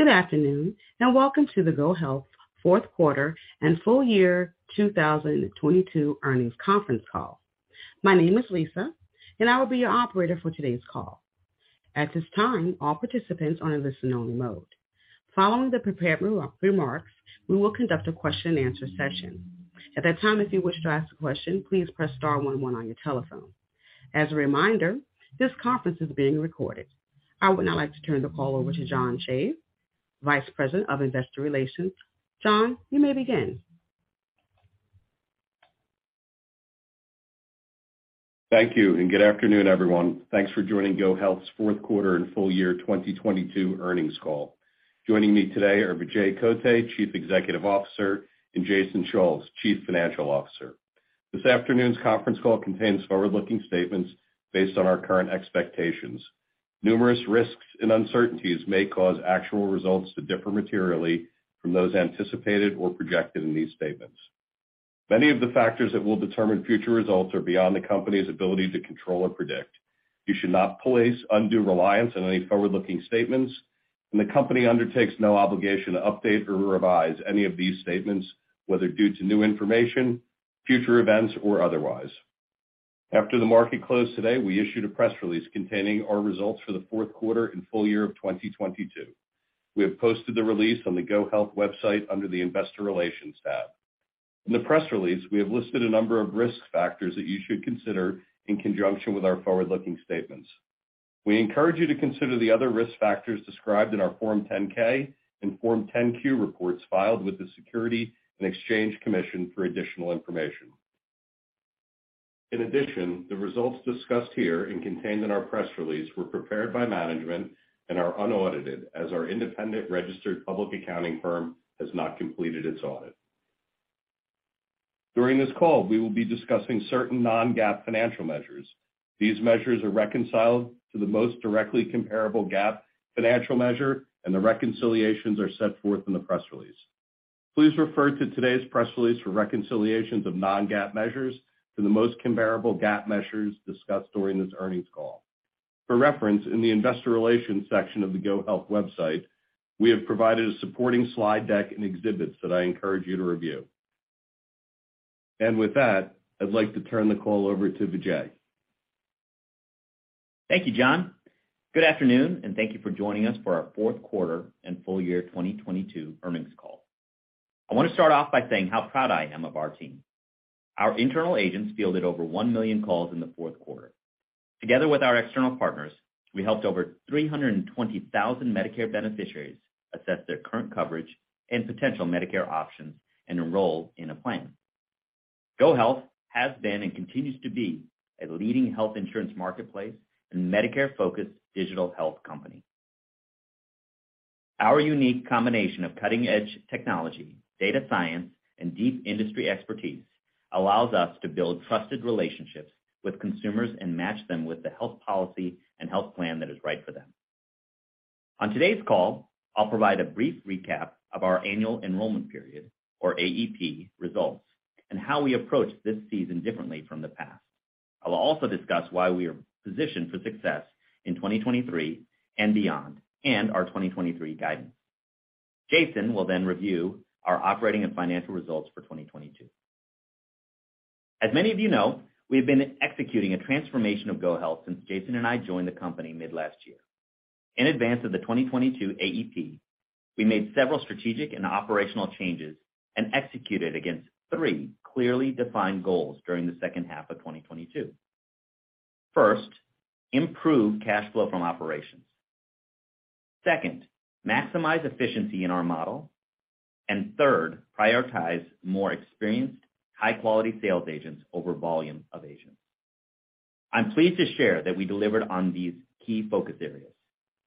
Good afternoon, welcome to the GoHealth fourth quarter and full year 2022 earnings conference call. My name is Lisa, I will be your operator for today's call. At this time, all participants are in listen-only mode. Following the prepared remarks, we will conduct a question and answer session. At that time, if you wish to ask a question, please press star one one on your telephone. As a reminder, this conference is being recorded. I would now like to turn the call over to John Shave, Vice President of Investor Relations. John, you may begin. Thank you. Good afternoon, everyone. Thanks for joining GoHealth's fourth quarter and full year 2022 earnings call. Joining me today are Vijay Kotte, Chief Executive Officer, and Jason Schulz, Chief Financial Officer. This afternoon's conference call contains forward-looking statements based on our current expectations. Numerous risks and uncertainties may cause actual results to differ materially from those anticipated or projected in these statements. Many of the factors that will determine future results are beyond the company's ability to control or predict. You should not place undue reliance on any forward-looking statements, and the company undertakes no obligation to update or revise any of these statements, whether due to new information, future events, or otherwise. After the market closed today, we issued a press release containing our results for the fourth quarter and full year of 2022. We have posted the release on the GoHealth website under the Investor Relations tab. In the press release, we have listed a number of risk factors that you should consider in conjunction with our forward-looking statements. We encourage you to consider the other risk factors described in our Form 10-K and Form 10-Q reports filed with the Securities and Exchange Commission for additional information. The results discussed here and contained in our press release were prepared by management and are unaudited, as our independent registered public accounting firm has not completed its audit. During this call, we will be discussing certain non-GAAP financial measures. These measures are reconciled to the most directly comparable GAAP financial measure, and the reconciliations are set forth in the press release. Please refer to today's press release for reconciliations of non-GAAP measures to the most comparable GAAP measures discussed during this earnings call. For reference, in the investor relations section of the GoHealth website, we have provided a supporting slide deck and exhibits that I encourage you to review. With that, I'd like to turn the call over to Vijay. Thank you, John. Good afternoon, and thank you for joining us for our fourth quarter and full year 2022 earnings call. I want to start off by saying how proud I am of our team. Our internal agents fielded over 1 million calls in the fourth quarter. Together with our external partners, we helped over 320,000 Medicare beneficiaries assess their current coverage and potential Medicare options and enroll in a plan. GoHealth has been and continues to be a leading health insurance marketplace and Medicare-focused digital health company. Our unique combination of cutting-edge technology, data science, and deep industry expertise allows us to build trusted relationships with consumers and match them with the health policy and health plan that is right for them. On today's call, I'll provide a brief recap of our annual enrollment period, or AEP, results and how we approached this season differently from the past. I will also discuss why we are positioned for success in 2023 and beyond and our 2023 guidance. Jason will review our operating and financial results for 2022. As many of you know, we have been executing a transformation of GoHealth since Jason and I joined the company mid-last year. In advance of the 2022 AEP, we made several strategic and operational changes and executed against three clearly defined goals during the second half of 2022. First, improve cash flow from operations. Second, maximize efficiency in our model. Third, prioritize more experienced, high-quality sales agents over volume of agents. I'm pleased to share that we delivered on these key focus areas.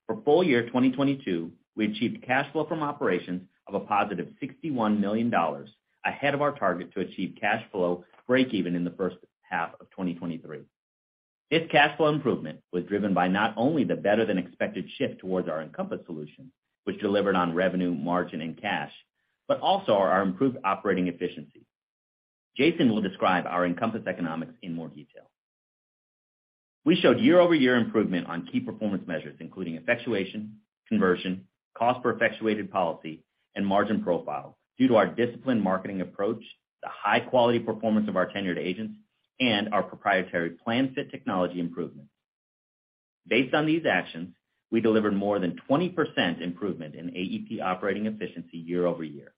For full year 2022, we achieved cash flow from operations of a positive $61 million, ahead of our target to achieve cash flow breakeven in the first half of 2023. This cash flow improvement was driven by not only the better-than-expected shift towards our Encompass solution, which delivered on revenue, margin, and cash, but also our improved operating efficiency. Jason will describe our Encompass economics in more detail. We showed year-over-year improvement on key performance measures, including effectuation, conversion, cost per effectuated policy, and margin profile due to our disciplined marketing approach, the high-quality performance of our tenured agents, and our proprietary PlanFit technology improvements. Based on these actions, we delivered more than 20% improvement in AEP operating efficiency year-over-year.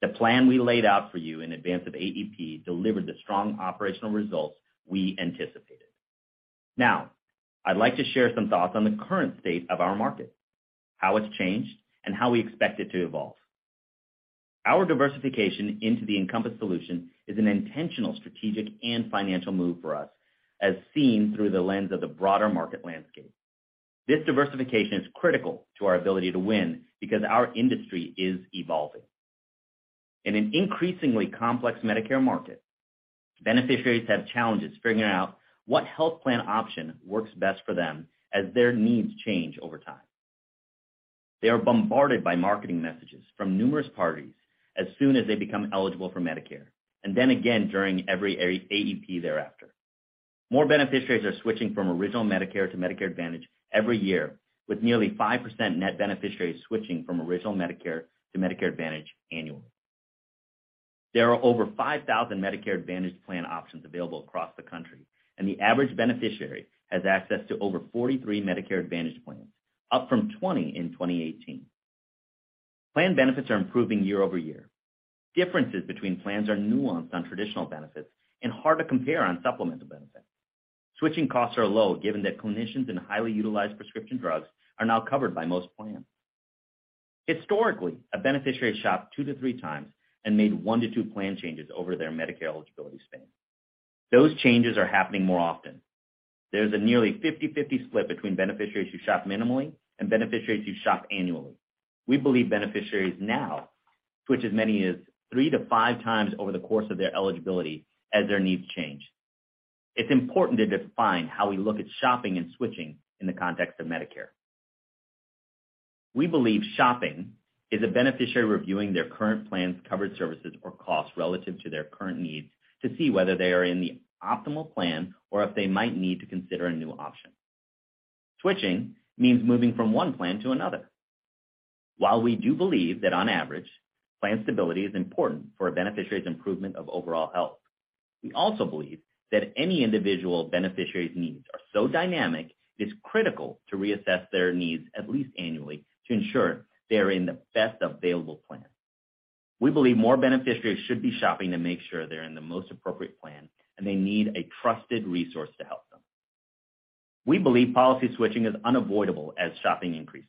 The plan we laid out for you in advance of AEP delivered the strong operational results we anticipated. I'd like to share some thoughts on the current state of our market, how it's changed, and how we expect it to evolve. Our diversification into the Encompass solution is an intentional strategic and financial move for us, as seen through the lens of the broader market landscape. This diversification is critical to our ability to win because our industry is evolving. In an increasingly complex Medicare market, beneficiaries have challenges figuring out what health plan option works best for them as their needs change over time. They are bombarded by marketing messages from numerous parties as soon as they become eligible for Medicare, then again during every AEP thereafter. More beneficiaries are switching from original Medicare to Medicare Advantage every year, with nearly 5% net beneficiaries switching from original Medicare to Medicare Advantage annually. There are over 5,000 Medicare Advantage plan options available across the country, and the average beneficiary has access to over 43 Medicare Advantage plans, up from 20 in 2018. Plan benefits are improving year-over-year. Differences between plans are nuanced on traditional benefits and hard to compare on supplemental benefits. Switching costs are low, given that clinicians and highly utilized prescription drugs are now covered by most plans. Historically, a beneficiary shopped 2-3 times and made 1-2 plan changes over their Medicare eligibility span. Those changes are happening more often. There's a nearly 50/50 split between beneficiaries who shop minimally and beneficiaries who shop annually. We believe beneficiaries now switch as many as 3-5 times over the course of their eligibility as their needs change. It's important to define how we look at shopping and switching in the context of Medicare. We believe shopping is a beneficiary reviewing their current plan's covered services or costs relative to their current needs to see whether they are in the optimal plan or if they might need to consider a new option. Switching means moving from one plan to another. While we do believe that on average, plan stability is important for a beneficiary's improvement of overall health, we also believe that any individual beneficiary's needs are so dynamic, it is critical to reassess their needs at least annually to ensure they are in the best available plan. We believe more beneficiaries should be shopping to make sure they're in the most appropriate plan, and they need a trusted resource to help them. We believe policy switching is unavoidable as shopping increases.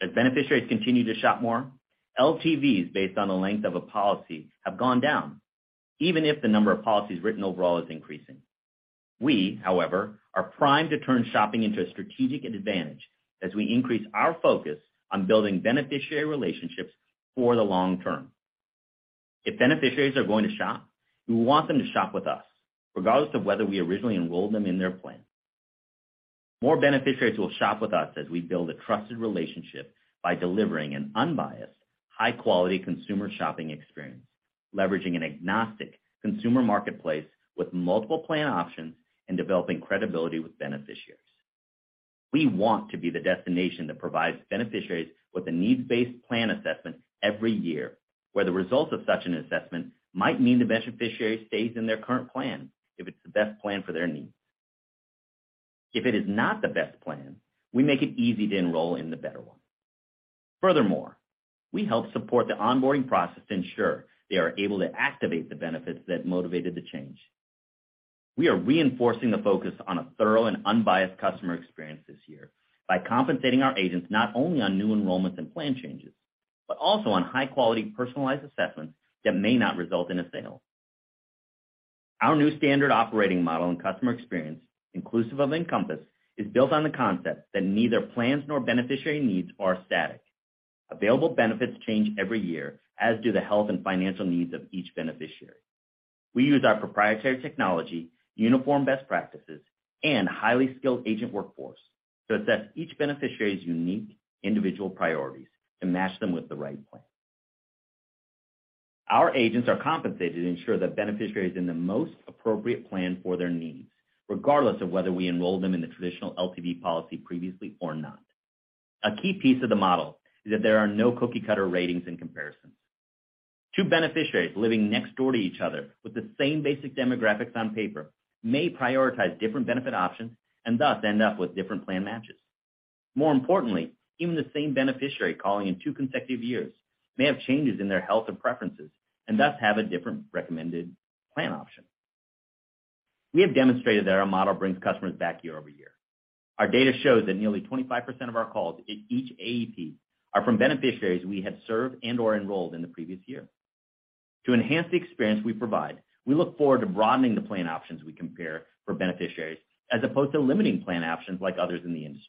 As beneficiaries continue to shop more, LTVs based on the length of a policy have gone down, even if the number of policies written overall is increasing. We, however, are primed to turn shopping into a strategic advantage as we increase our focus on building beneficiary relationships for the long term. If beneficiaries are going to shop, we want them to shop with us, regardless of whether we originally enrolled them in their plan. More beneficiaries will shop with us as we build a trusted relationship by delivering an unbiased, high-quality consumer shopping experience, leveraging an agnostic consumer marketplace with multiple plan options and developing credibility with beneficiaries. We want to be the destination that provides beneficiaries with a needs-based plan assessment every year, where the results of such an assessment might mean the beneficiary stays in their current plan if it's the best plan for their needs. If it is not the best plan, we make it easy to enroll in the better one. Furthermore, we help support the onboarding process to ensure they are able to activate the benefits that motivated the change. We are reinforcing the focus on a thorough and unbiased customer experience this year by compensating our agents not only on new enrollments and plan changes, but also on high-quality personalized assessments that may not result in a sale. Our new standard operating model and customer experience, inclusive of Encompass, is built on the concept that neither plans nor beneficiary needs are static. Available benefits change every year, as do the health and financial needs of each beneficiary. We use our proprietary technology, uniform best practices, and highly skilled agent workforce to assess each beneficiary's unique individual priorities to match them with the right plan. Our agents are compensated to ensure the beneficiary is in the most appropriate plan for their needs, regardless of whether we enrolled them in the traditional LTV policy previously or not. A key piece of the model is that there are no cookie-cutter ratings and comparisons. Two beneficiaries living next door to each other with the same basic demographics on paper may prioritize different benefit options and thus end up with different plan matches. More importantly, even the same beneficiary calling in two consecutive years may have changes in their health and preferences and thus have a different recommended plan option. We have demonstrated that our model brings customers back year-over-year. Our data shows that nearly 25% of our calls in each AEP are from beneficiaries we have served and/or enrolled in the previous year. To enhance the experience we provide, we look forward to broadening the plan options we compare for beneficiaries, as opposed to limiting plan options like others in the industry.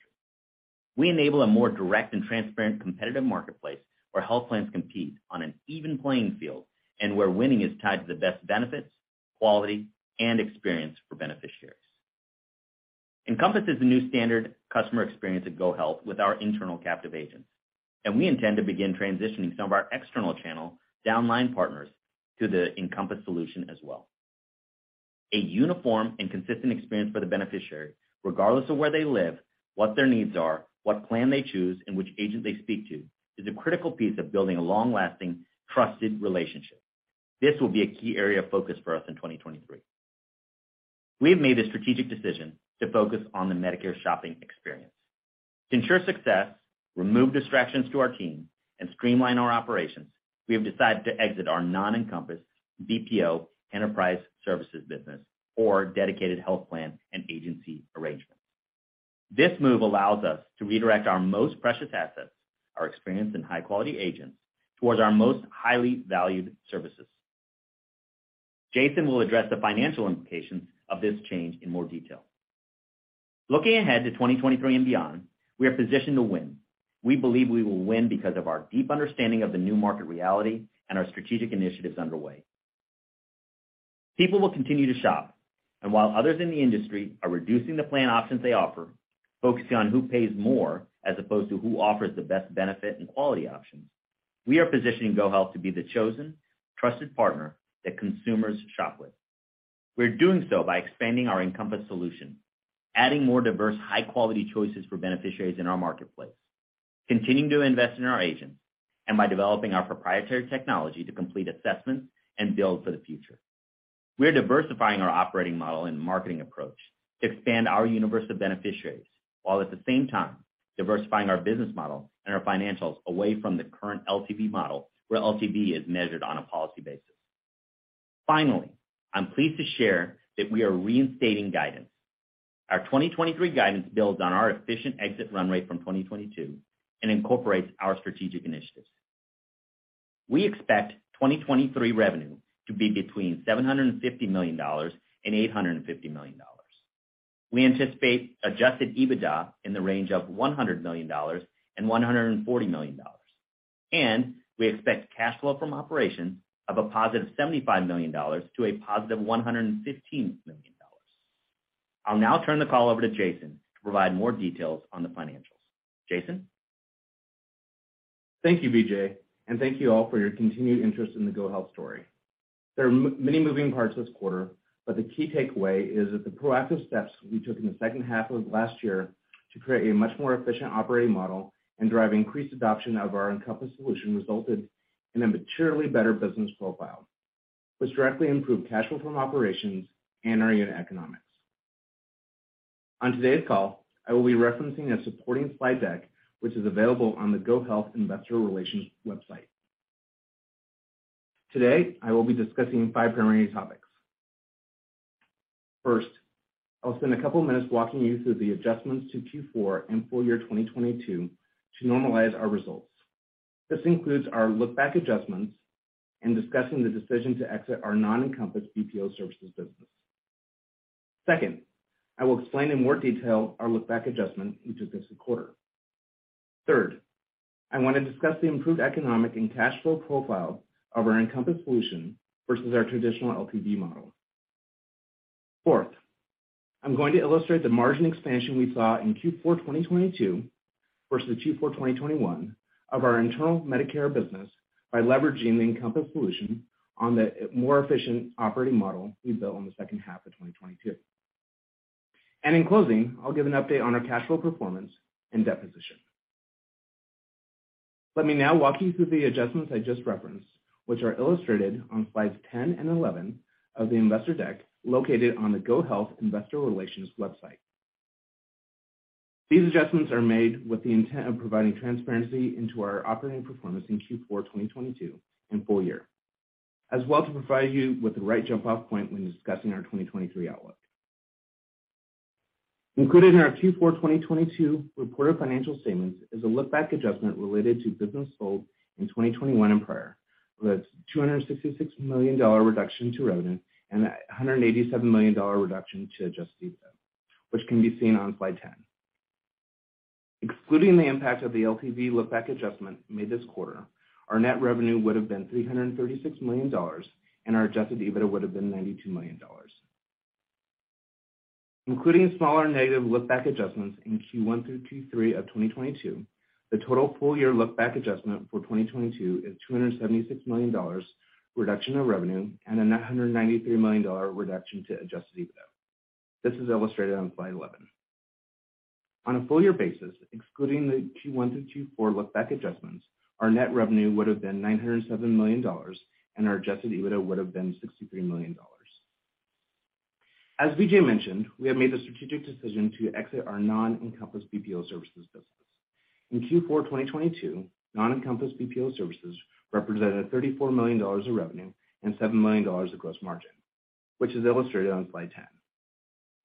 We enable a more direct and transparent competitive marketplace where health plans compete on an even playing field and where winning is tied to the best benefits, quality, and experience for beneficiaries. Encompass is the new standard customer experience at GoHealth with our internal captive agents, and we intend to begin transitioning some of our external channel downline partners to the Encompass solution as well. A uniform and consistent experience for the beneficiary, regardless of where they live, what their needs are, what plan they choose, and which agent they speak to, is a critical piece of building a long-lasting, trusted relationship. This will be a key area of focus for us in 2023. We have made the strategic decision to focus on the Medicare shopping experience. To ensure success, remove distractions to our team, and streamline our operations, we have decided to exit our non-Encompass BPO enterprise services business or dedicated health plan and agency arrangement. This move allows us to redirect our most precious assets, our experienced and high-quality agents, towards our most highly valued services. Jason will address the financial implications of this change in more detail. Looking ahead to 2023 and beyond, we are positioned to win. We believe we will win because of our deep understanding of the new market reality and our strategic initiatives underway. People will continue to shop. While others in the industry are reducing the plan options they offer, focusing on who pays more as opposed to who offers the best benefit and quality options. We are positioning GoHealth to be the chosen, trusted partner that consumers shop with. We're doing so by expanding our Encompass solution, adding more diverse, high-quality choices for beneficiaries in our marketplace, continuing to invest in our agents, and by developing our proprietary technology to complete assessments and build for the future. We're diversifying our operating model and marketing approach to expand our universe of beneficiaries, while at the same time diversifying our business model and our financials away from the current LTV model, where LTV is measured on a policy basis. Finally, I'm pleased to share that we are reinstating guidance. Our 2023 guidance builds on our efficient exit run rate from 2022 and incorporates our strategic initiatives. We expect 2023 revenue to be between $750 million and $850 million. We anticipate Adjusted EBITDA in the range of $100 million and $140 million. We expect cash flow from operations of a positive $75 million to a positive $115 million. I'll now turn the call over to Jason to provide more details on the financials. Jason? Thank you, Vijay, and thank you all for your continued interest in the GoHealth story. There are many moving parts this quarter, but the key takeaway is that the proactive steps we took in the second half of last year to create a much more efficient operating model and drive increased adoption of our Encompass solution resulted in a materially better business profile, which directly improved cash flow from operations and our unit economics. On today's call, I will be referencing a supporting slide deck, which is available on the GoHealth Investor Relations website. Today, I will be discussing five primary topics. First, I'll spend a couple minutes walking you through the adjustments to Q4 and full year 2022 to normalize our results. This includes our look-back adjustments and discussing the decision to exit our non-Encompass BPO services business. Second, I will explain in more detail our look-back adjustment we took this quarter. Third, I wanna discuss the improved economic and cash flow profile of our Encompass solution versus our traditional LTV model. Fourth, I'm going to illustrate the margin expansion we saw in Q4 2022 versus Q4 2021 of our internal Medicare business by leveraging the Encompass solution on the more efficient operating model we built in the second half of 2022. In closing, I'll give an update on our cash flow performance and debt position. Let me now walk you through the adjustments I just referenced, which are illustrated on slides 10 and 11 of the investor deck located on the GoHealth Investor Relations website. These adjustments are made with the intent of providing transparency into our operating performance in Q4 2022 and full year, as well to provide you with the right jump-off point when discussing our 2023 outlook. Included in our Q4 2022 reported financial statements is a look-back adjustment related to business sold in 2021 and prior, with a $266 million reduction to revenue and a $187 million reduction to Adjusted EBITDA, which can be seen on slide 10. Excluding the impact of the LTV look-back adjustment made this quarter, our net revenue would have been $336 million, and our Adjusted EBITDA would have been $92 million. Including smaller negative look-back adjustments in Q1 through Q3 of 2022, the total full-year look-back adjustment for 2022 is $276 million reduction of revenue and a net $193 million reduction to Adjusted EBITDA. This is illustrated on slide 11. On a full year basis, excluding the Q1 through Q4 look-back adjustments, our net revenue would have been $907 million, and our A djusted EBITDA would have been $63 million. As Vijay mentioned, we have made the strategic decision to exit our non-Encompass BPO services business. In Q4 2022, non-Encompass BPO services represented $34 million of revenue and $7 million of gross margin, which is illustrated on slide 10.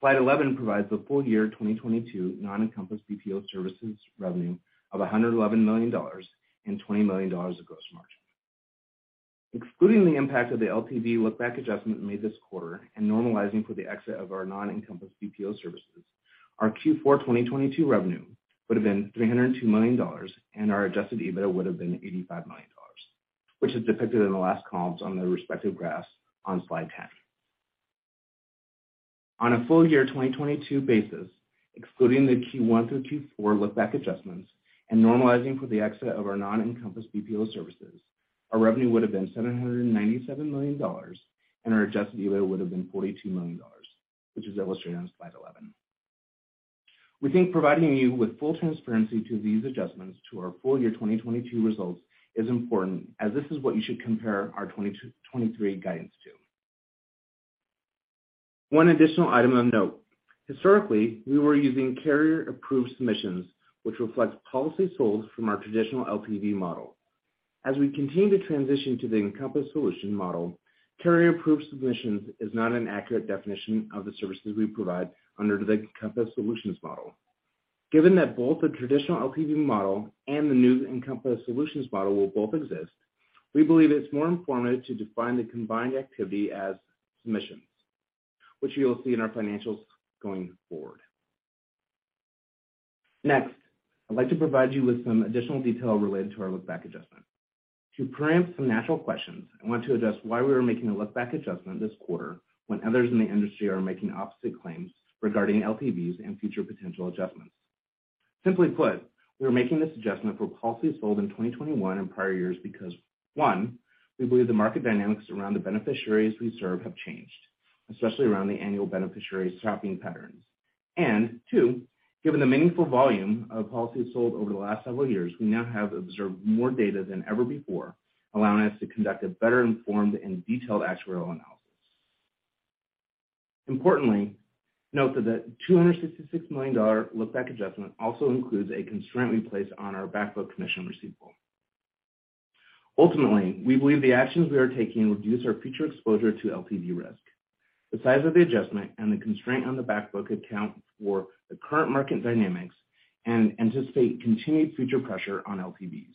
Slide 11 provides the full year 2022 non-Encompass BPO services revenue of $111 million and $20 million of gross margin. Excluding the impact of the LTV look-back adjustment made this quarter and normalizing for the exit of our non-Encompass BPO services, our Q4 2022 revenue would have been $302 million, and our Adjusted EBITDA would have been $85 million, which is depicted in the last columns on the respective graphs on slide 10. On a full year 2022 basis, excluding the Q1 through Q4 look-back adjustments and normalizing for the exit of our non-Encompass BPO services, our revenue would have been $797 million, and our Adjusted EBITDA would have been $42 million, which is illustrated on slide 11. We think providing you with full transparency to these adjustments to our full year 2022 results is important, as this is what you should compare our 2023 guidance to. One additional item of note. Historically, we were using carrier-approved submissions, which reflects policy sold from our traditional LTV model. As we continue to transition to the Encompass Solution model, carrier-approved submissions is not an accurate definition of the services we provide under the Encompass Solutions model. Given that both the traditional LTV model and the new Encompass Solutions model will both exist, we believe it's more informative to define the combined activity as submissions, which you will see in our financials going forward. Next, I'd like to provide you with some additional detail related to our look-back adjustment. To preempt some natural questions, I want to address why we are making a look-back adjustment this quarter when others in the industry are making opposite claims regarding LTVs and future potential adjustments. Simply put, we are making this adjustment for policies sold in 2021 and prior years because, one, we believe the market dynamics around the beneficiaries we serve have changed, especially around the annual beneficiary shopping patterns. Two, given the meaningful volume of policies sold over the last several years, we now have observed more data than ever before, allowing us to conduct a better-informed and detailed actuarial analysis. Importantly, note that the $266 million look-back adjustment also includes a constraint we place on our back book commission receivable. Ultimately, we believe the actions we are taking reduce our future exposure to LTV risk. The size of the adjustment and the constraint on the back book account for the current market dynamics and anticipate continued future pressure on LTVs.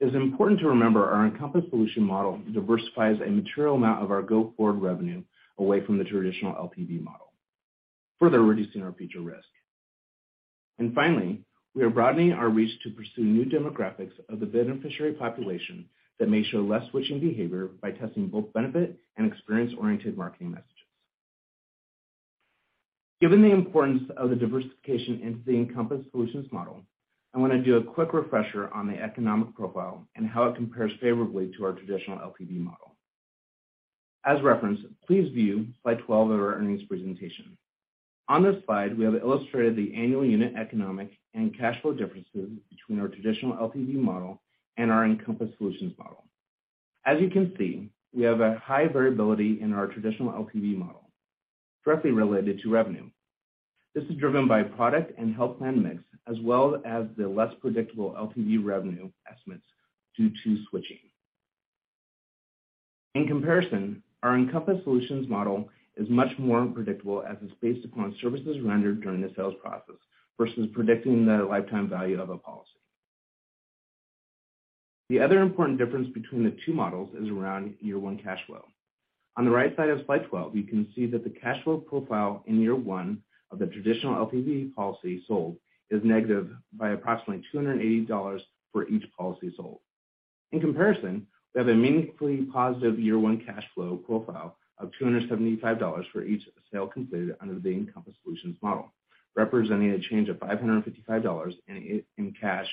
It is important to remember our Encompass solution model diversifies a material amount of our go-forward revenue away from the traditional LTV model, further reducing our future risk. Finally, we are broadening our reach to pursue new demographics of the beneficiary population that may show less switching behavior by testing both benefit and experience-oriented marketing messages. Given the importance of the diversification into the Encompass solution model, I want to do a quick refresher on the economic profile and how it compares favorably to our traditional LTV model. As referenced, please view slide 12 of our earnings presentation. On this slide, we have illustrated the annual unit economic and cash flow differences between our traditional LTV model and our Encompass solution model. As you can see, we have a high variability in our traditional LTV model, directly related to revenue. This is driven by product and health plan mix, as well as the less predictable LTV revenue estimates due to switching. In comparison, our Encompass solution model is much more predictable as it's based upon services rendered during the sales process versus predicting the lifetime value of a policy. The other important difference between the two models is around year 1 cash flow. On the right side of slide 12, you can see that the cash flow profile in year 1 of the traditional LTV policy sold is negative by approximately $280 for each policy sold. In comparison, we have a meaningfully positive year one cash flow profile of $275 for each sale completed under the Encompass solution model, representing a change of $555 in cash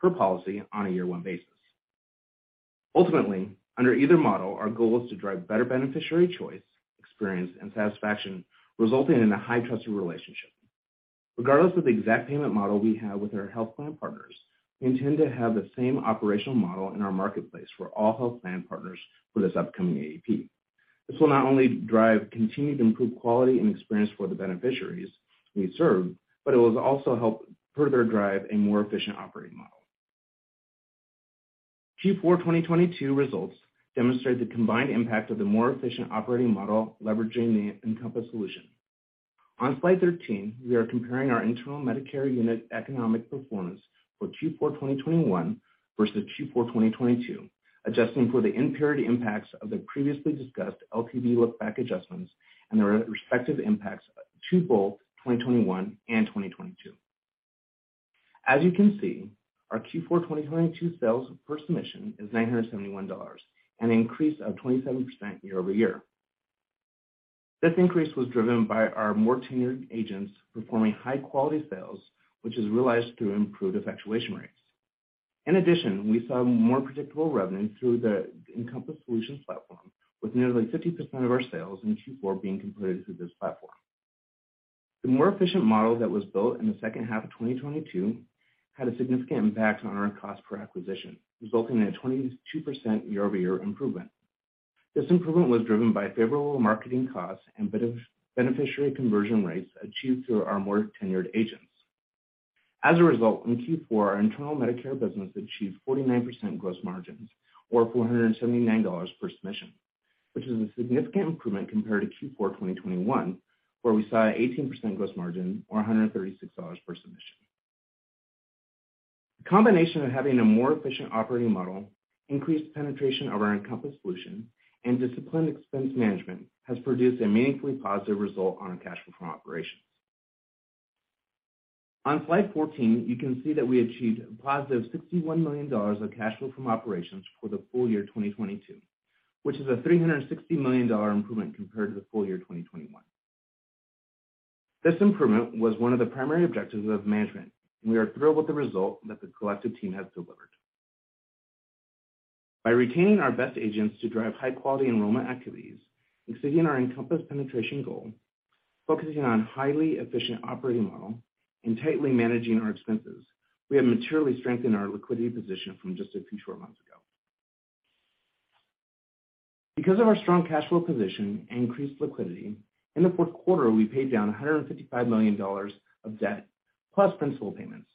per policy on a year one basis. Ultimately, under either model, our goal is to drive better beneficiary choice, experience, and satisfaction, resulting in a high trusted relationship. Regardless of the exact payment model we have with our health plan partners, we intend to have the same operational model in our marketplace for all health plan partners for this upcoming AEP. This will not only drive continued improved quality and experience for the beneficiaries we serve, but it will also help further drive a more efficient operating model. Q4 2022 results demonstrate the combined impact of the more efficient operating model leveraging the Encompass solution. On slide 13, we are comparing our internal Medicare unit economic performance for Q4 2021 versus Q4 2022, adjusting for the in period impacts of the previously discussed LTV look-back adjustments and their respective impacts to both 2021 and 2022. As you can see, our Q4 2022 sales per submission is $971, an increase of 27% year-over-year. This increase was driven by our more tenured agents performing high-quality sales, which is realized through improved effectuation rates. In addition, we saw more predictable revenue through the Encompass solution platform, with nearly 50% of our sales in Q4 being completed through this platform. The more efficient model that was built in the second half of 2022 had a significant impact on our cost per acquisition, resulting in a 22% year-over-year improvement. This improvement was driven by favorable marketing costs and beneficiary conversion rates achieved through our more tenured agents. In Q4, our internal Medicare business achieved 49% gross margins or $479 per submission, which is a significant improvement compared to Q4 2021, where we saw 18% gross margin or $136 per submission. The combination of having a more efficient operating model, increased penetration of our Encompass solution, and disciplined expense management has produced a meaningfully positive result on our cash flow from operations. On slide 14, you can see that we achieved a positive $61 million of cash flow from operations for the full year 2022, which is a $360 million improvement compared to the full year 2021. This improvement was one of the primary objectives of management, and we are thrilled with the result that the collective team has delivered. By retaining our best agents to drive high-quality enrollment activities, exceeding our Encompass penetration goal, focusing on highly efficient operating model, and tightly managing our expenses, we have materially strengthened our liquidity position from just a few short months ago. Because of our strong cash flow position and increased liquidity, in the fourth quarter, we paid down $155 million of debt, plus principal payments,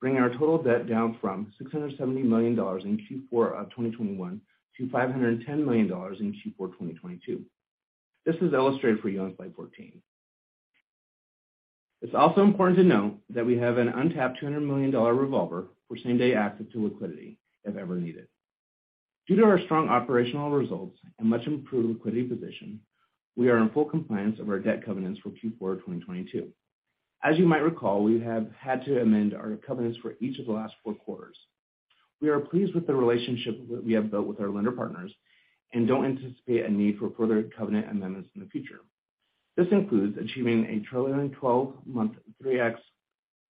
bringing our total debt down from $670 million in Q4 of 2021 to $510 million in Q4 2022. This is illustrated for you on slide 14. It's also important to note that we have an untapped $200 million revolver for same-day access to liquidity if ever needed. Due to our strong operational results and much improved liquidity position, we are in full compliance of our debt covenants for Q4 2022. As you might recall, we have had to amend our covenants for each of the last four quarters. We are pleased with the relationship that we have built with our lender partners and don't anticipate a need for further covenant amendments in the future. This includes achieving a trillion and 12-month 3x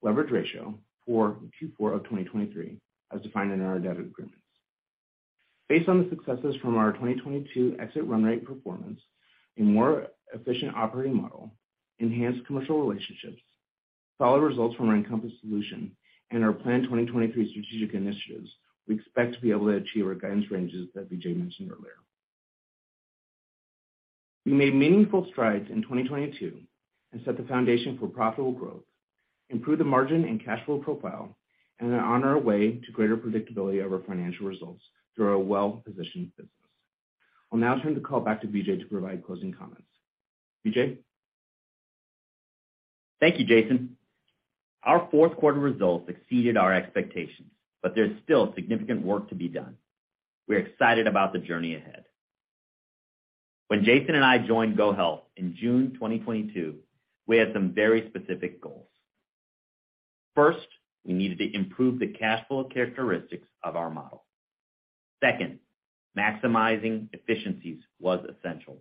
leverage ratio for Q4 of 2023 as defined in our debt agreements. Based on the successes from our 2022 exit run rate performance, a more efficient operating model, enhanced commercial relationships, solid results from our Encompass solution and our planned 2023 strategic initiatives, we expect to be able to achieve our guidance ranges that Vijay mentioned earlier. We made meaningful strides in 2022 and set the foundation for profitable growth, improved the margin and cash flow profile, and are on our way to greater predictability of our financial results through our well-positioned business. I'll now turn the call back to Vijay to provide closing comments. Vijay? Thank you, Jason Schulz. Our fourth quarter results exceeded our expectations, but there's still significant work to be done. We're excited about the journey ahead. When Jason Schulz and I joined GoHealth in June 2022, we had some very specific goals. First, we needed to improve the cash flow characteristics of our model. Second, maximizing efficiencies was essential.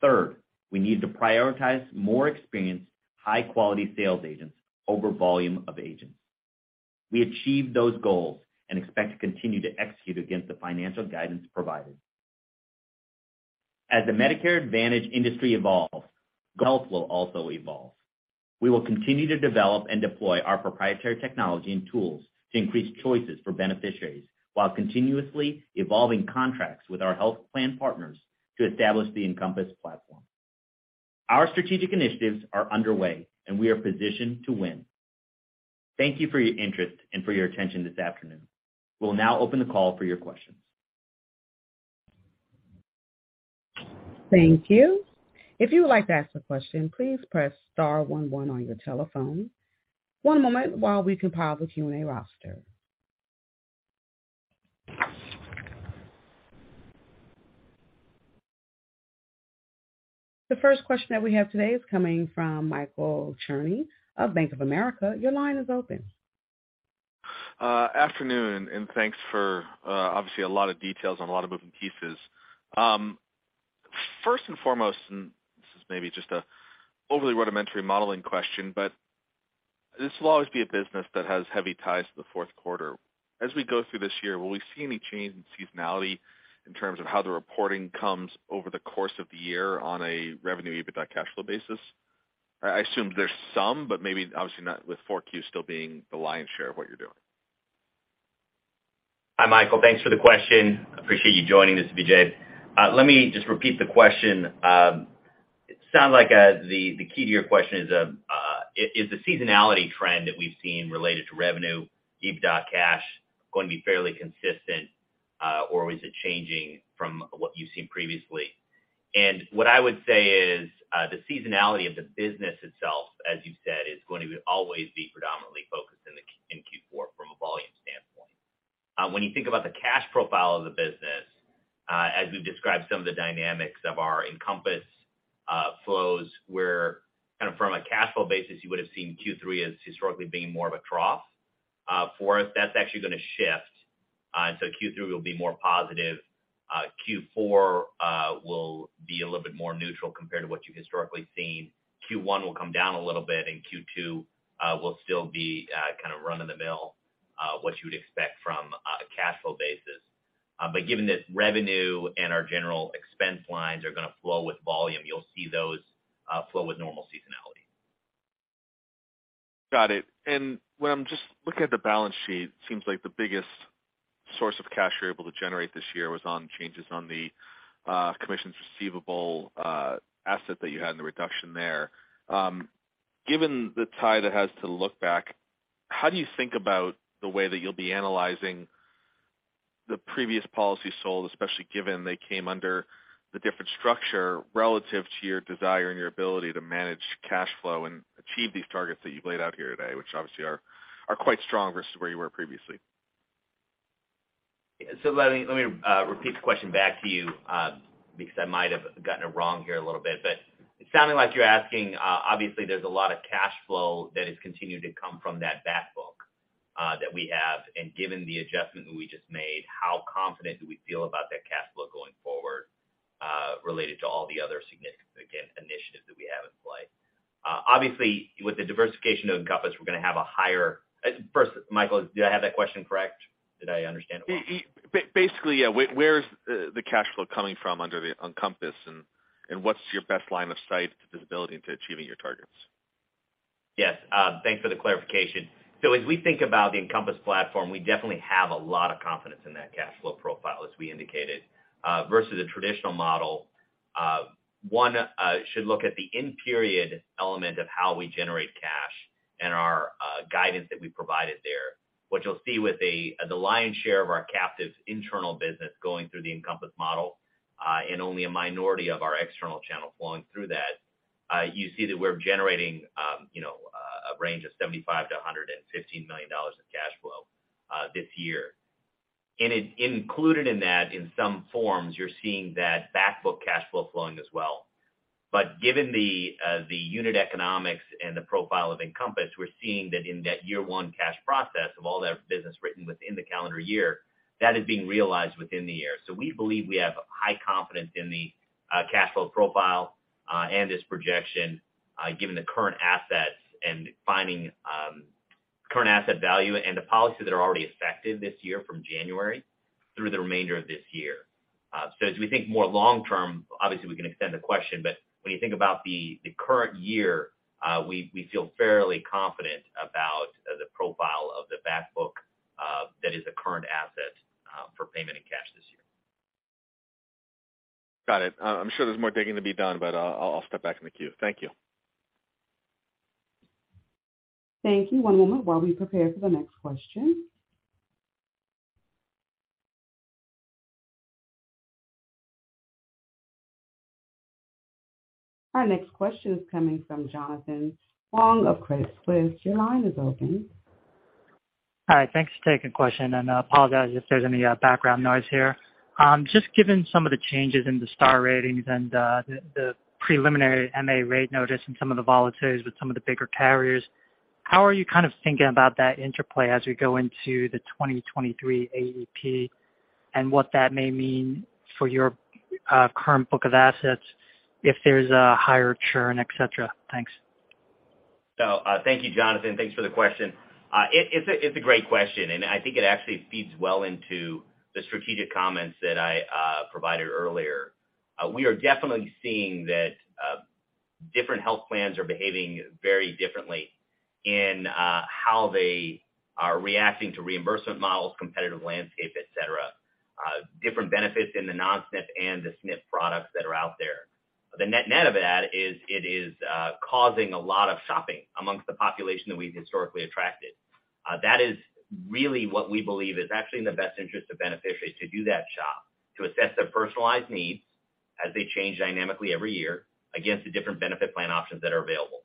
Third, we needed to prioritize more experienced, high-quality sales agents over volume of agents. We achieved those goals and expect to continue to execute against the financial guidance provided. As the Medicare Advantage industry evolves, GoHealth will also evolve. We will continue to develop and deploy our proprietary technology and tools to increase choices for beneficiaries while continuously evolving contracts with our health plan partners to establish the Encompass platform. Our strategic initiatives are underway, and we are positioned to win. Thank you for your interest and for your attention this afternoon. We'll now open the call for your questions. Thank you. If you would like to ask a question, please press star one one on your telephone. One moment while we compile the Q&A roster. The first question that we have today is coming from Michael Cherny of Bank of America. Your line is open. Afternoon, thanks for obviously a lot of details on a lot of moving pieces. First and foremost, this is maybe just a overly rudimentary modeling question, this will always be a business that has heavy ties to the fourth quarter. As we go through this year, will we see any change in seasonality in terms of how the reporting comes over the course of the year on a revenue EBITDA cash flow basis? I assume there's some, but maybe obviously not with four Q still being the lion's share of what you're doing. Hi, Michael. Thanks for the question. Appreciate you joining. This is Vijay. Let me just repeat the question. It sounds like the key to your question is the seasonality trend that we've seen related to revenue, EBITDA, cash, going to be fairly consistent, or is it changing from what you've seen previously? What I would say is the seasonality of the business itself, as you said, is going to always be predominantly focused in Q4 from a volume standpoint. When you think about the cash profile of the business, as we've described some of the dynamics of our Encompass flows, where kind of from a cash flow basis, you would've seen Q3 as historically being more of a trough for us, that's actually gonna shift. Q3 will be more positive. Q4 will be a little bit more neutral compared to what you've historically seen. Q1 will come down a little bit. Q2 will still be kind of run-of-the-mill, what you'd expect from a cash flow basis. Given that revenue and our general expense lines are gonna flow with volume, you'll see those flow with normal seasonality. Got it. When I'm just looking at the balance sheet, seems like the biggest source of cash you're able to generate this year was on changes on the commissions receivable asset that you had and the reduction there. Given the tie that has to look back, how do you think about the way that you'll be analyzing the previous policy sold, especially given they came under the different structure relative to your desire and your ability to manage cash flow and achieve these targets that you've laid out here today, which obviously are quite strong versus where you were previously? Let me repeat the question back to you, because I might have gotten it wrong here a little bit. It's sounding like you're asking, obviously there's a lot of cash flow that has continued to come from that back book that we have, and given the adjustment that we just made, how confident do we feel about that cash flow going forward, related to all the other significant initiatives that we have in play? Obviously, with the diversification of Encompass, we're gonna have a higher... First, Michael, do I have that question correct? Did I understand it well? Basically, yeah. Where is the cash flow coming from under the Encompass, and what's your best line of sight to visibility into achieving your targets? Yes. thanks for the clarification. As we think about the Encompass platform, we definitely have a lot of confidence in that cash flow profile, as we indicated. Versus a traditional model, one should look at the in-period element of how we generate cash and our guidance that we provided there. What you'll see with the lion's share of our captive's internal business going through the Encompass model, and only a minority of our external channel flowing through that, you see that we're generating, you know, a range of $75 million-$115 million in cash flow this year. Included in that, in some forms, you're seeing that back book cash flow flowing as well. Given the unit economics and the profile of Encompass, we're seeing that in that year 1 cash process of all that business written within the calendar year, that is being realized within the year. We believe we have high confidence in the cash flow profile and this projection, given the current assets and finding current asset value and the policies that are already effective this year from January through the remainder of this year. As we think more long term, obviously, we can extend the question, but when you think about the current year, we feel fairly confident about the profile of the back book that is a current asset for payment and cash this year. Got it. I'm sure there's more digging to be done, I'll step back in the queue. Thank you. Thank you. One moment while we prepare for the next question. Our next question is coming from Jonathan Yong of Citi. Citi, your line is open. Hi. Thanks for taking the question, and I apologize if there's any background noise here. Just given some of the changes in the Star Ratings and the preliminary MA rate notice and some of the volatiles with some of the bigger carriers, how are you kind of thinking about that interplay as we go into the 2023 AEP and what that may mean for your current book of assets if there's a higher churn, et cetera? Thanks. Thank you, Jonathan, thanks for the question. It's a great question, and I think it actually feeds well into the strategic comments that I provided earlier. We are definitely seeing that different health plans are behaving very differently in how they are reacting to reimbursement models, competitive landscape, et cetera, different benefits in the non-SNF and the SNF products that are out there. The net-net of that is it is causing a lot of shopping amongst the population that we've historically attracted. That is really what we believe is actually in the best interest of beneficiaries to do that shop, to assess their personalized needs as they change dynamically every year against the different benefit plan options that are available.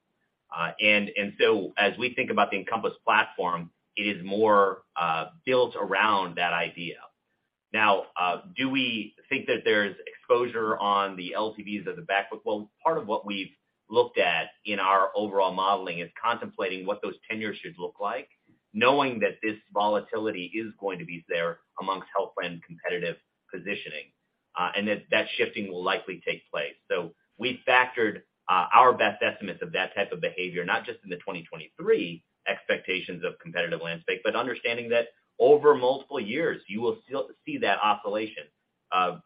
As we think about the Encompass platform, it is more built around that idea. Do we think that there's exposure on the LTVs of the back book? Well, part of what we've looked at in our overall modeling is contemplating what those tenures should look like, knowing that this volatility is going to be there amongst health plan competitive positioning, and that that shifting will likely take place. We factored our best estimates of that type of behavior, not just in the 2023 expectations of competitive landscape, but understanding that over multiple years, you will still see that oscillation,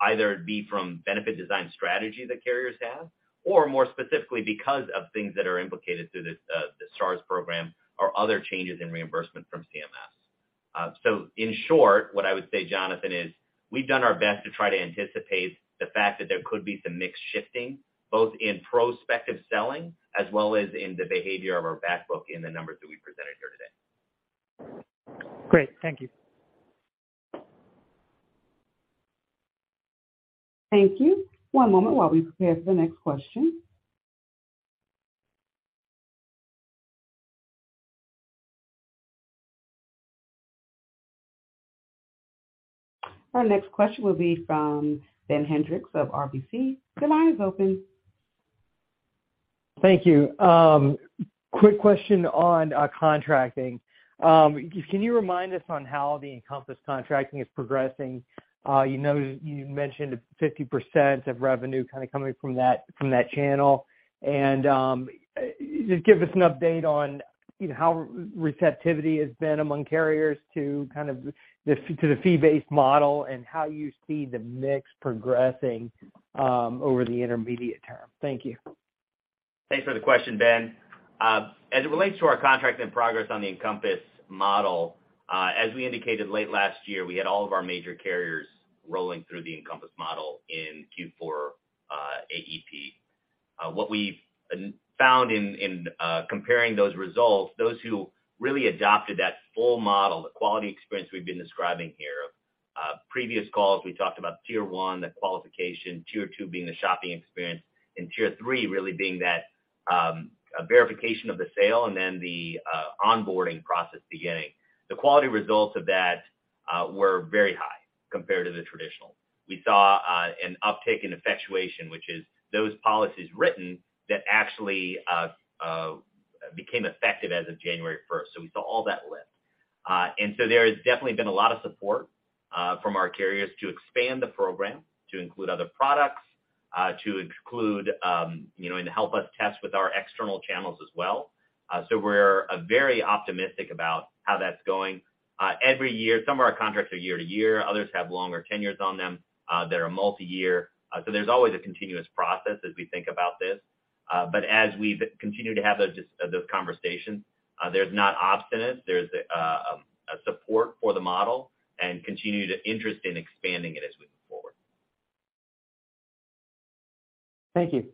either it be from benefit design strategy that carriers have, or more specifically because of things that are implicated through this, the Stars program or other changes in reimbursement from CMS. In short, what I would say, Jonathan, is we've done our best to try to anticipate the fact that there could be some mix shifting, both in prospective selling as well as in the behavior of our back book in the numbers that we presented here today. Great. Thank you. Thank you. One moment while we prepare for the next question. Our next question will be from Ben Hendrix of RBC. Your line is open. Thank you. Quick question on contracting. Can you remind us on how the Encompass contracting is progressing? You know, you mentioned 50% of revenue kinda coming from that, from that channel. Just give us an update on, you know, how receptivity has been among carriers to kind of the, to the fee-based model and how you see the mix progressing over the intermediate term? Thank you. Thanks for the question, Ben. As it relates to our contract in progress on the Encompass model, as we indicated late last year, we had all of our major carriers rolling through the Encompass model in Q4, AEP. What we found in comparing those results, those who really adopted that full model, the quality experience we've been describing here. Previous calls, we talked about tier 1, the qualification, tier 2 being the shopping experience, and tier 3 really being that verification of the sale and then the onboarding process beginning. The quality results of that were very high compared to the traditional. We saw an uptick in effectuation, which is those policies written that actually became effective as of January 1st, so we saw all that lift. There has definitely been a lot of support from our carriers to expand the program to include other products, to include, you know, and help us test with our external channels as well. We're very optimistic about how that's going. Every year, some of our contracts are year to year, others have longer tenures on them that are multi-year. There's always a continuous process as we think about this. As we continue to have those conversations, there's not obstinance, there's a support for the model and continue the interest in expanding it as we move forward. Thank you.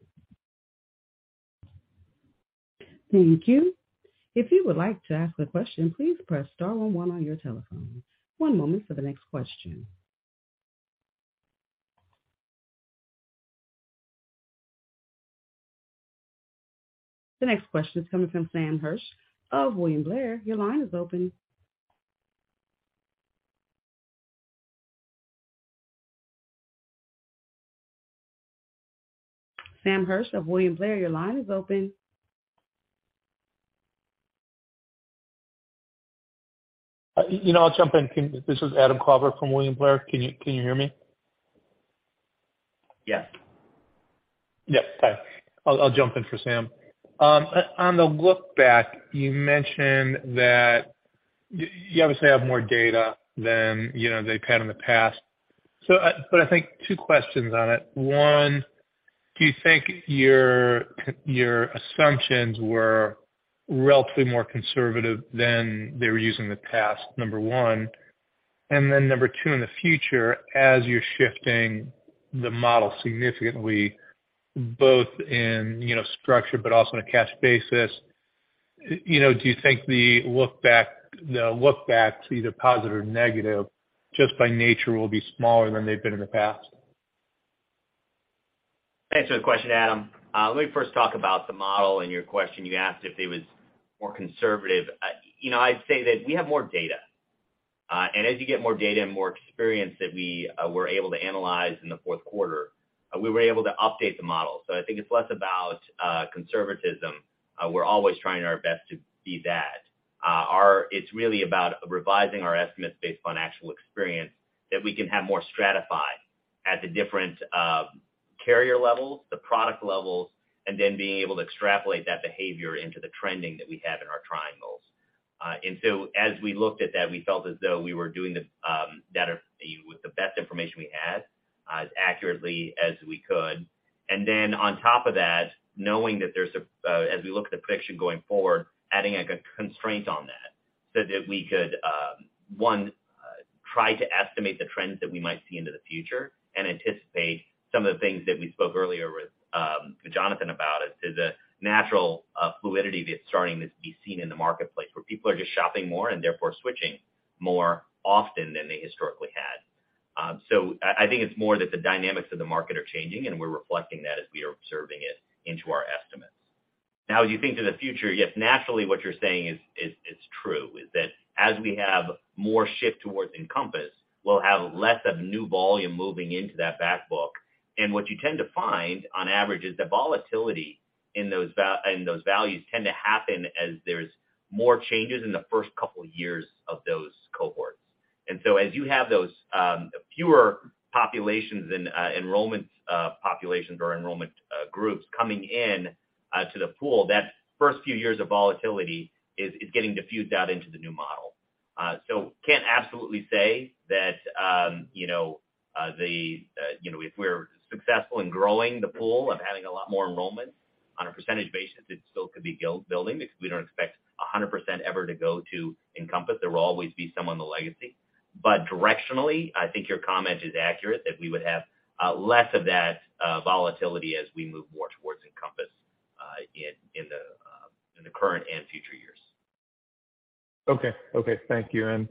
Thank you. If you would like to ask a question, please press star one one on your telephone. One moment for the next question. The next question is coming from Sam Hirsch of William Blair. Your line is open. you know, I'll jump in. This is Adam Klauber from William Blair. Can you hear me? Yes. Yeah. Hi. I'll jump in for Sam. On the look back, you mentioned that you obviously have more data than, you know, they've had in the past. But I think 2 questions on it. One, do you think your assumptions were relatively more conservative than they were using in the past? Number 1. Number 2, in the future, as you're shifting the model significantly, both in, you know, structure but also in a cash basis, you know, do you think the look back to either positive or negative just by nature will be smaller than they've been in the past? Thanks for the question, Adam. Let me first talk about the model. In your question, you asked if it was more conservative. You know, I'd say that we have more data. As you get more data and more experience that we were able to analyze in the fourth quarter, we were able to update the model. I think it's less about conservatism. We're always trying our best to be that. It's really about revising our estimates based on actual experience that we can have more stratify at the different carrier levels, the product levels, and then being able to extrapolate that behavior into the trending that we have in our triangles. As we looked at that, we felt as though we were doing the better with the best information we had, as accurately as we could. On top of that, knowing that there's a, as we look at the prediction going forward, adding, like, a constraint on that so that we could, one, try to estimate the trends that we might see into the future and anticipate some of the things that we spoke earlier with Jonathan about, Is a natural fluidity that's starting to be seen in the marketplace, where people are just shopping more and therefore switching more often than they historically had. I think it's more that the dynamics of the market are changing, and we're reflecting that as we are observing it into our estimates. As you think to the future, yes, naturally what you're saying is true, is that as we have more shift towards Encompass, we'll have less of new volume moving into that back book. What you tend to find on average is the volatility in those values tend to happen as there's more changes in the first couple years of those cohorts. As you have those fewer populations and enrollment populations or enrollment groups coming in to the pool, that first few years of volatility is getting diffused out into the new model. Can't absolutely say that, you know, the, you know, if we're successful in growing the pool of having a lot more enrollment on a percentage basis, it still could be building because we don't expect 100% ever to go to Encompass. There will always be some on the legacy. Directionally, I think your comment is accurate that we would have less of that volatility as we move more towards Encompass in the current and future years. Okay, thank you.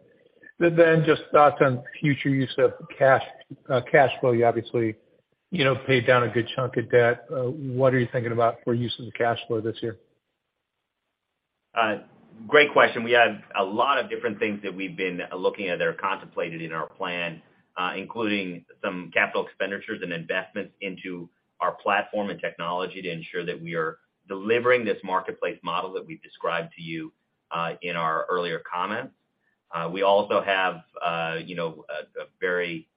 Then just thoughts on future use of cash flow. You obviously, you know, paid down a good chunk of debt. What are you thinking about for use of the cash flow this year? Great question. We have a lot of different things that we've been looking at or contemplated in our plan, including some capital expenditures and investments into our platform and technology to ensure that we are delivering this marketplace model that we've described to you in our earlier comments. We also have, you know, a very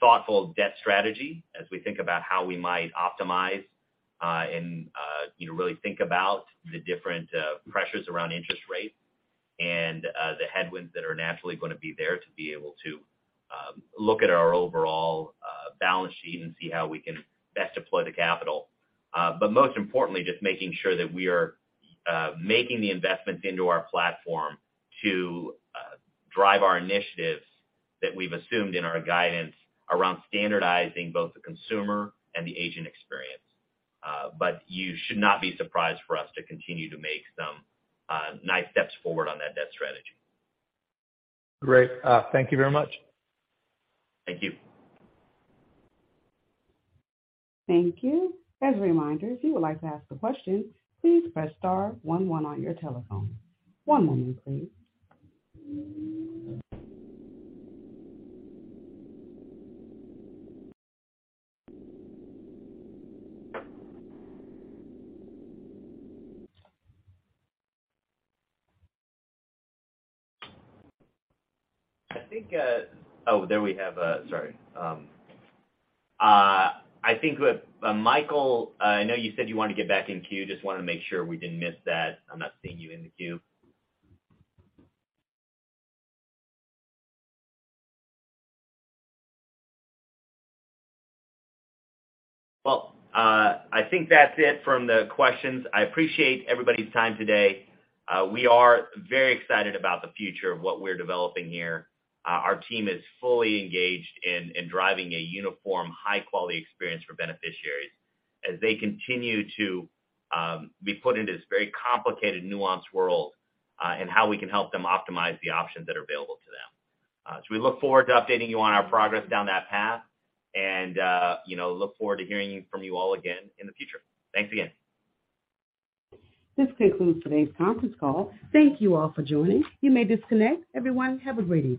thoughtful debt strategy as we think about how we might optimize and, you know, really think about the different pressures around interest rates and the headwinds that are naturally gonna be there to be able to look at our overall balance sheet and see how we can best deploy the capital. Most importantly, just making sure that we are making the investments into our platform to drive our initiatives that we've assumed in our guidance around standardizing both the consumer and the agent experience. You should not be surprised for us to continue to make some nice steps forward on that debt strategy. Great. Thank you very much. Thank you. Thank you. As a reminder, if you would like to ask a question, please press star one one on your telephone. One moment please. I think. Oh, there we have. Sorry. I think Michael, I know you said you wanted to get back in queue. Just wanna make sure we didn't miss that. I'm not seeing you in the queue. Well, I think that's it from the questions. I appreciate everybody's time today. We are very excited about the future of what we're developing here. Our team is fully engaged in driving a uniform, high quality experience for beneficiaries as they continue to be put into this very complicated, nuanced world, and how we can help them optimize the options that are available to them. We look forward to updating you on our progress down that path, and, you know, look forward to hearing from you all again in the future. Thanks again. This concludes today's conference call. Thank you all for joining. You may disconnect. Everyone, have a great evening.